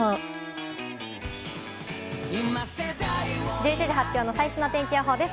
１１時発表の最新の天気予報です。